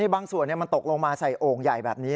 บางส่วนมันตกลงมาใส่โอ่งใหญ่แบบนี้